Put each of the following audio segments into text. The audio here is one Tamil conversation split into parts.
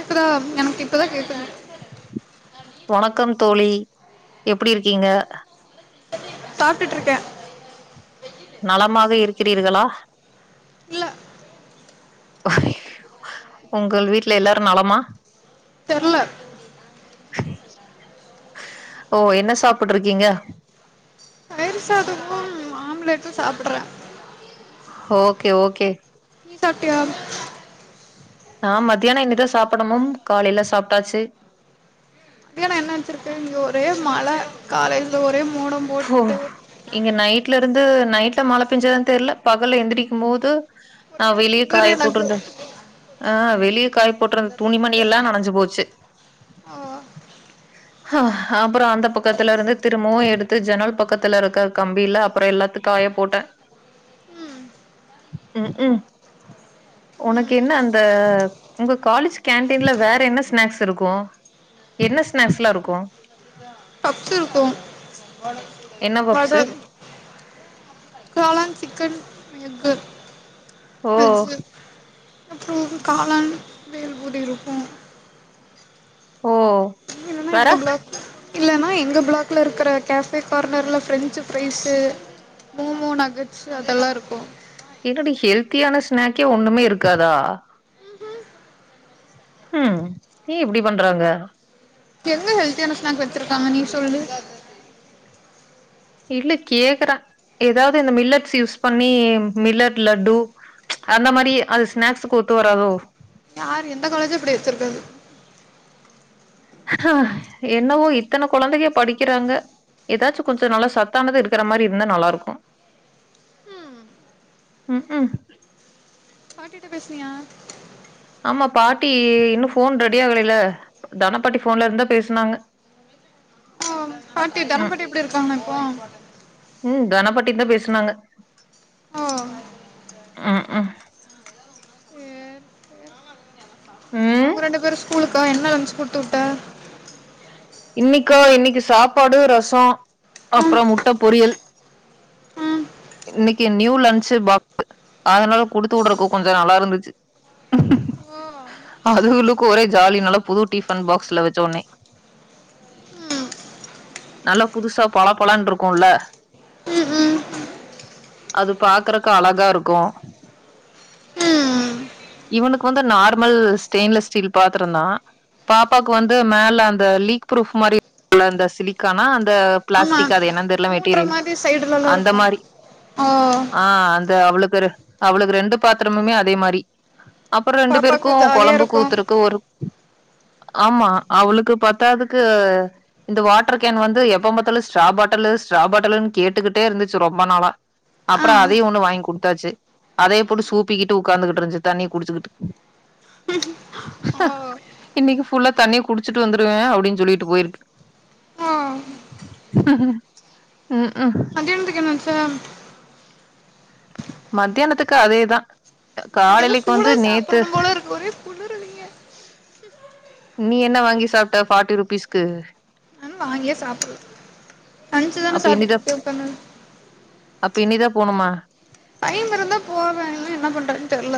இப்பதா எனக்கு இப்பதா கேக்குது வணக்கம் தோழி எப்டி இருக்கீங்க சாப்ட்டுட்ருக்கே நலமாக இருக்றீர்களா இல்ல ஒங்க வீட்ல எல்லாரு நலமா தெர்ல ஓ என்ன சாப்ட்ருக்கீங்க அதுக்கும் ஆம்லெட்டும் சாப்பிட்றேன் ஓகே ஓகே நீ சாப்டியா நான் மத்தியானம் இனிதான் சாப்பிடமும் காலையில சாப்பிட்டாச்சு மதியானோ என்ன வெச்சிருக்க இங்க ஒரே மழை காலையில ஒரே மோடம் ஹோ போட்டுட்டு இங்க நைட் நைட்ல இருந்து நைட்ல மழ பெஞ்சது தெரியல பகல்ல எந்திரிக்கும் போது ஒரே நான் வெளிய குளிரு காய எனக்கு போட்டுருது கா ஆஹ் வெளியே காய் போட்டுறந்த துணிமணி எல்லாம் நனஞ்சு போச்சு ஆ அஹ் அப்புறம் அந்த பக்கத்துல இருந்து திரும்பவும் எடுத்து ஜன்னல் பக்கத்துல இருக்க கம்பியில அப்புறம் எல்லாத்து காய போட்டேன் ம் உஹூம் உம் உனக்கு ம் என்ன அந்த உங்க காலேஜ் கண்டில்ல வேற என்ன ஸ்நெக்ஸ் லாம் இருக்கும் என்ன ஸ்நேக்ஸ் லாம் இருக்கும் பப்ஸ் இருக்கும் என்ன பப்ஸு [unintelligible] மட்டன் சிக்கன் எக்கு ஓ வெஜ்ஜு அப்புறம் காளான் பேல்பூரி இருக்கும் ஓ வேற இந்த பிளாக் இல்லைன்னா எங்கள் பிளாக்கில இருக்கிற கேஃபே கார்னர் ல ஃப்ரெஞ்சு ஃப்ரைஸு மோமோ நக்கட்ஸ் அதெல்லாம் இருக்கும் ஏங்கடி ஹெல்த்தியான ஸ்நாக்கே ஒண்ணுமே இருக்காதா உம் ஏன் இப்டி பண்றாங்க எங்க ஹெல்த்தியான ஸ்நாக் வச்சிருக்காங்க நீ சொல்லு இல்ல கேக்குறேன் ஏதாவது இந்த மில்லட்ஸ் யூஸ் பண்ணி மில்லட் லட்டு ச் அந்த மாரி அது ஸ்நாக்ஸுக்கு ஒத்து வராதோ யார் எந்த காலேஜும் அப்டி வச்சிருக்காது ஹா என்னவோ இத்தன கொழந்தைக படிக்கிறாங்க ஏதாச்சும் கொஞ்சம் நல்லா சத்தானது இருக்குற மாரி இருந்தா நல்லாருக்கும் ம் உம் உம் பாட்டிட்ட பேசுனியா ஆமா பாட்டி இன்னும் போன் ரெடி ஆகலேல தன பாட்டி போன்ல இருந்து தா பேசுனாங்க ஓ பாட்டி தனம் பாட்டி எப்டி இருக்காங்க இப்போ உம் தனப்பாட்டியு தான் பேசுனாங்க ஓ உம் ஹும் சரி உம் அவுங்க ரெண்டு பேரும் ஸ்கூலுக்கா என்ன லன்ட்ஜ் குடுத்து விட்ட இன்னைக்கா இன்னைக்கு சாப்பாடு ரசம் ம் அப்புறம் முட்ட பொரியல் ம் இன்னைக்கு நியூ லன்ச்சு பாக்ஸ் அதனால குடுத்து விடுறக்கும் கொஞ்சம் நல்லா இருந்துச்சு ஓ அதுகளுக்கு ஒரே ஜாலி நல்ல புது டிஃபன் பாக்ஸ்ல வச்ச உனே ம் நல்லா புதுசா பலப்பழம்னு இருக்கும்ல ம் அது பாக்குறக்கு அழகா இருக்கும் ம் ம் இவனுக்கு வந்து நார்மல் ஸ்டெயின்லெஸ் ஸ்டீல் பாத்திரம் தான் பாப்பாக்கு வந்து மேல அந்த லீக் ப்ரூப் மாதிரி உள்ள அந்த சிலிக்கானா அந்த பிளாஸ்டிக் ஆமாம் அது என்னனு தெரியல மூடுற மெட்டிரியல் மாதிரி சைடுலலாம் அந்த இருக்கும் மாரி ஓ ஆஹ் த்த அவளுபேரு அவளுக்கு ரெண்டு பாத்திரமுமே அதே மாரி [unintelligible] அப்புறம் ரெண்டு பாப்பாக்கு பேருக்கும் ஜாலியா குழம்பு இருக்கு கூத்துருக்கு ஒரு ஆமா அவளுக்கு பத்தாதுக்கு இந்த வாட்டர் கேன் வந்து எப்ப பாத்தாலும் ஸ்ட்ராபாட்டலு ஸ்ட்ராபட்டலுன்னு கேட்டுகிட்டே இருந்துச்சு ரொம்ப நாளா ஆ அப்புறம் அதையும் ஒண்ணு வாங்கி குடுத்தாச்சு அதயு போட்டு சூப்பிக்கிட்டு உட்கார்ந்துகிட்டு இருந்துச்சு தண்ணி குடிச்சுக்கிட்டு ஓ இன்னைக்கு ஃபுல்லா தண்ணிய குடிச்சுட்டு வந்துருவேன் அப்படின்னு சொல்லிட்டு போயிருக்கு ஆ உம் கும் [unintelligible] மத்தியானத்துக்கு அதேதான் எனக்கு ஏதோ காலேலக் இப்ப சூடா வந்து நேத்து சாப்பிடணும் போல இருக்கு ஒரே குளிருதுங்க நீ என்ன வாங்கி சாப்ட்ட பாஃட்டி ருபீஸ்க்கு நானு வாங்கியே சாப்புல்ல லன்ச்சுதான அப்ப இன்னிதா சாப்ட்டுட்ருக்கே உக்காந்து அப்ப இன்னிதாப் போணும்மா போ வேனுங்னா என்ன பண்றதுன் தெர்ல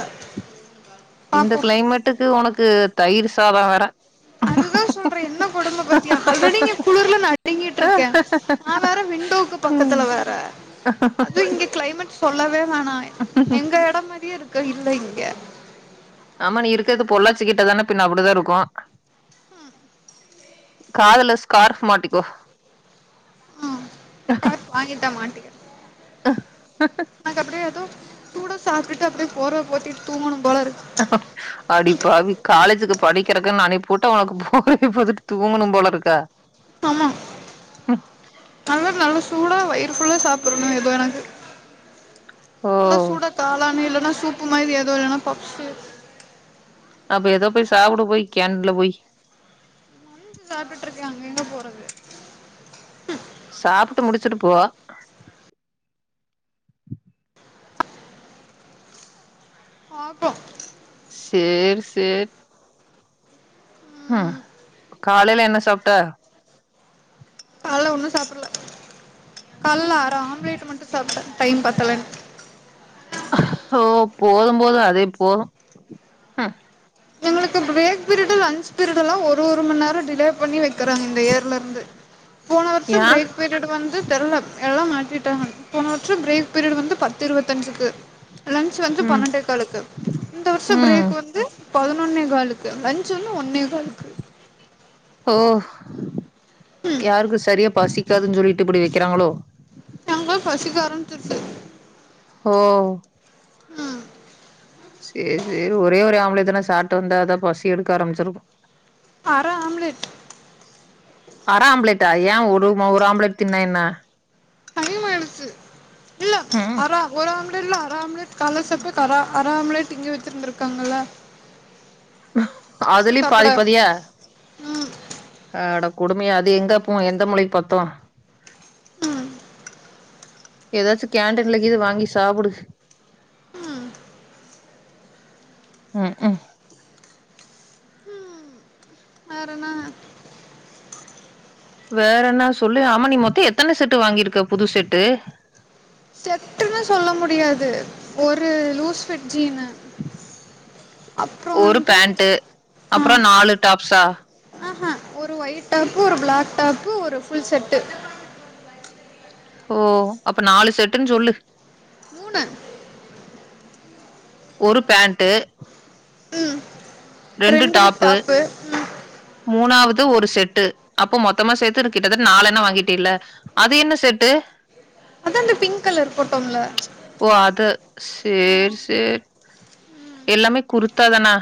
பாப்போ இந்தக் கிளைமேட்டுக் க்கு உனக்கு தயிர் சாதோ வேற என்னா கொடும்ப பாத்தியா ஆல்ரெடி இங்க குளுர்ல நடுங்கிட்டுருக்கே நா வேறே விண்டோக்கு ம் பக்கத்துல வேற அது இங்க கிளைமேட் சொல்லவே மானாய் எங்க எடம் மாரியே இருக் க்க இல்லேங்கெ ஆமா நீ இருக்கிற்து பொள்ளாச்சி கிட்ட தானே பின்ன அப்படிதான் இருக்கோ காதலஸ் கார்ப் மாட்டிக்கோஹ் டாட் வாங்கிட்ட மாட்டிகிற் [inaudible] [unintelligible] எதூ சூட சாப்ட்டுடு அப்புடே போற்வ போத்திட் தூங்குணும் அடிப்பாவி காலேஜு து படிக்கிறக்குன்னு அனிப்பூட்டா உனக்கு போர்வை போத்துட்டு தூங்குணும் போலருக்கா அதுலாநல்லா சூடா வயிறுஃபுல்லெ சாப்புர்ணு எதூ எனக்கு ஓ நல்ல சூடா காலானீல இல்லனா சூப்பு மாதிரி எதோ இல்லனா பப்ஸு அப்பொ எதோ போய் சாப்புடு போய் கேண்டீன் ல போய் சாப்ட்டுட்டுருக்கியா அங்க எங்க போறது சாப்புட்டு முடிச்சுட்டு போ பாப்போ சேரி சேர் ஹ ம் காலெல என்ன சாப்டே கல்லா டா ஆம்லேட்டு மட்டு சாப்ட டைம் பத்தலன் அஹ்ஹோ ஓ போதும் போது அதே போது ஹ எங்களுக்கு பிரேக் பிரிடு லன்ச் பிரிடுல்லா ஒரு ஒருமண்நேரோ டிலே பண்ணி வைப் க்கறாங்ந் இந்த இயர்லந்து போன வர்ஷம் யா பிரேக் பீரியட் வந்து தெர்லப் எல்லாம் மாட்டிட்டாங்கன் போனவற்று பிரேக் பிரிடு வந்து பத்து இருவத்தஞ்சிக்கு லன்ச் வந்து ம் பனேன்டெகாலுக்கு இந்த வர்ஷொ ம் பிரேக் வந்து பதினோன் பதினோன்னே காலுக்கு லன்ச் ஒன்னு ஒன்னே காலுக்கு யார்கு சரியப் பசிக்காதுன் ஜொல்லிட்டு இப்புடி வெக்கிறாங்களோ ங்க பசிக்க ஆரமிசுருச்சி ஹோ ம் சேரி சேரி ஒரே ஒரு ஆம்லேட்தான சாப்படு வந்த அதான் பசி எடுக்க ஆரம்பிச்சிருக்கும் அர ஆம்லெட் அரை ஆம்ப்லேட்டா ஏன் ஒரு ஒரு ஆம்லேட் தின்னா என்ன பெருசு இல்ல ம் அர ஒரு ஆம்லெட் ம்லேட்ல அரை ஆம்லேட் காலசப்புக் கர அரை ஆம்லேட் இங்க வச்சிருந்திருக்காங்கள அதுலயு பாதி பாதியா ம் அட கொடுமையே அது எங்க போ எந்த மூளைக்கு பத்தூ ம் ஏதாச்சு கேன்டீன்ல கீது வாங்கி சாப்புடு ம் ம் க்கு வேறென்ன வேற என்ன சொல்லு ஆம நீ மொத்தோ எத்தன செட்டு வாங்கியிருக்க புது செட்டு செட்டுனுலா சொல்ல முடியாது ஒரு லூஸு ஃபிட் ஜீனு அப்புறோ வந்து ஆ அப்புறோ நாலு டாப்ஸா ஆஹ ஒரு ஒயிட் டாப்பு ஒரு பிளாக் டாப்பு ஒரு ஃபுல் செட்டு ஓ அப்ப நாலு செட்டுனு சொல்லு மூணு ஒரு பேண்டு ம் ரெண்டு டாப்பு மூணாவது ஒரு செட்டு அப்போ மொத்தமா சேத்து கிட்ட தட்ட நாலு என்னம் வாங்கிட்டே இல்ல அது என்ன செட்டு அது அந்த பிங்க் கலர் போட்டோம்ல ஓ அது சேரி செரி எல்லாமே குருத்தா தானா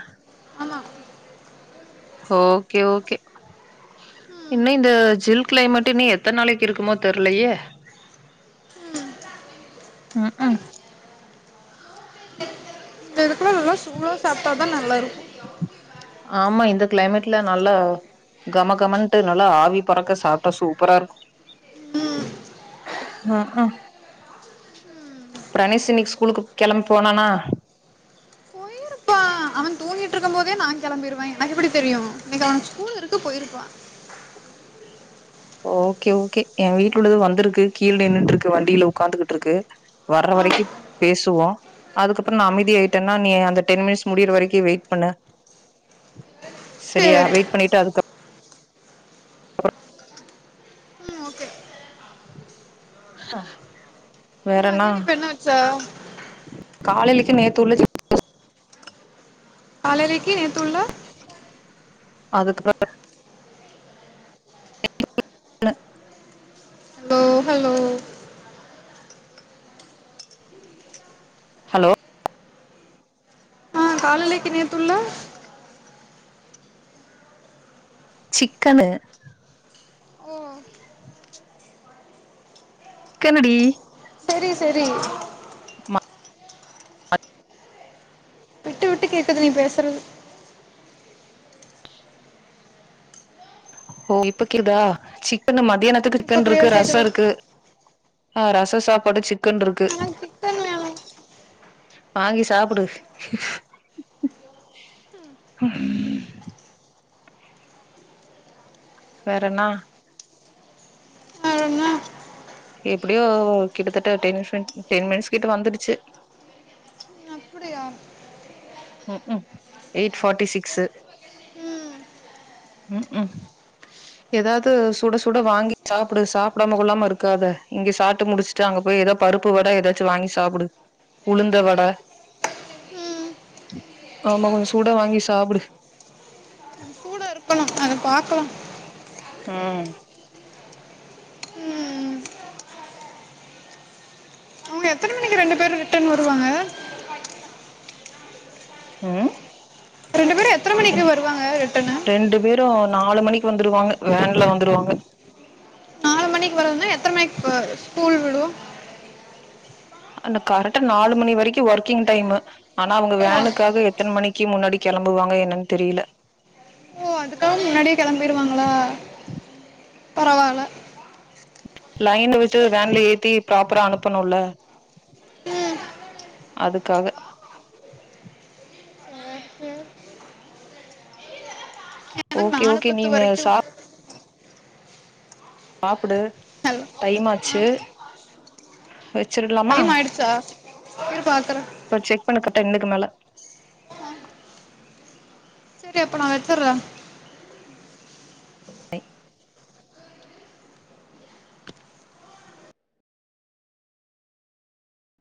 ஆமா ஓகே ஓகே ம் இன்னும் இந்த ஜில் கிளைமேட் இன்னும் எத்தன நாளைக்கு இருக்குமோ தெர்லையே ம் க்கு ரொம்ப சூடா சாப்டா தா நல்லா இருக்கோ ஆமா இந்த கிளைமேட்ல நல்லா கமகமன்ட்டு நல்லா ஆவி பறக்க சாப்டா சூப்பரா இருக்கோ ம் அக்கு பிரணேஷு இன்னைக்கு ஸ்கூலுக்கு கெளம்பி போனானா தூங்கிட்டு இருக்கும் போதே நான் கெளம்பிருவ எனக்கு எப்டி தெரியோ இன்னைக்கு அவனுக்கு ஸ்கூல் இருக்கு போயிருப்பா ஓகே ஓகே என் வீட்டுள உள்ளது வந்துருக்கு கீழே நின்டு இருக்கு வண்டியில உக்காந்துகிட்டு இருக்கு வர்ற ஆ வரைக்கும் பேசுவோம் அதுக்கப்றம் நா அமைதி ஆயிட்டேன்னா நீ அந்த டென் மினிட்ஸ் முடியற வரைக்கு வெயிட் பண்ணு சரியா சேரி வெயிட் பண்ணிட்டு அதுக்கப்புறம் ம் ஓகே ஹஹ் மதியான இப்ப என்ன வெச்ச காலிலேக்கு நேத்துள்ள [unintelligible] காலலேக்கு நேத்துள்ள அதுக்குப்பறோ [unintelligible] ஓ ஹலோ ஹலோ ஆஹ் காலிலேக்கு நேத்துள்ள சிக்கனு ஓ அதுக்கன்னடி செரி செரி விட்டு விட்டு கேக்குது நீ பேசுறது ஓ இப்ப கேக்குதா சிக்கன்னு மதியானத் துக்கு ம் இப்ப சிக்கன் இருக்கு கிளியர் ரசோ கேக்குது இருக்கு ஆ ரச சாப்பாடு சிக்கன்ருக்கு எனக்கு சிக்கன் வேணு வாங்கி சாப்புடு வேறென்னா வேற என்ன எப்படியோ கிட்டத்தட்ட டென் டென் மினிட்ஸ் கிட்ட வந்துடுச்சு அப்படியா ம் க்கு எய்ட் ஃபாட்டி சிக்ஸ்சு ம் ம் க்கு எதாவது சுட சுட வாங்கி சாப்புடு சாப்டாம கொல்லாம இருக்காத இங்க சாப்டு முடிச்சுட்டு அங்க போய் எதோ பருப்பு வட எதாச்சோ வாங்கி சாப்புடு உளுந்த வட ம் ஆமா கொஞ்சோ சூடா வாங்கி சாப்புடு இருக்கணோ அத பாக்கலா ம் ம் க்கு ரெண்டு பேரு ரிட்டர்ன் வருவாங்க ம் எத்தனை மணிக்கு வருவாங்க ரிட்டனு ரெண்டு பேரு நாலு மணிக்கு வந்துருவாங்க வேன்ல வந்துருவாங்க நாலு மணிக்கு வர எத்தன மணிக்கு ஸ்கூல் விடும் அன கரெக்டா நாலு மணி வரைக்கும் ஒர்க்கிங் டைமு ஆனா அவங்க விடும் வேனுக்காக எத்தன மணிக்கு முன்னாடி கெளம்புவாங்க என்னன்னு தெரில ஓ அதுக்காக முன்னாடியே கெளம்பருவாங்களா பரவால லைன்ல விட்டு வேன்ல ஏத்தி ப்ராப்பரா அனுப்பணும்ல ம் அதுக்காக ம் எனக்கு ஓகே நாலு ஓகே பத்து நீனு வரைக்கு சாப் சாப்பிடு ஹலோ டைம் ஆ ஆச்சு வச்சிடலாமா டைம் மாய்டுச்சா இரு பாக்கற [unintelligible] டென்னுக்கு மேல செரி அப்ப நான் வெத்துடுறேன் [unintelligible]